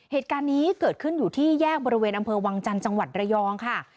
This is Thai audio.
เหตุการณ์นี้เกิดขึ้นอยู่ที่แยกบริเวณอำเภอวังจันทร์จังหวัดระยองค่ะ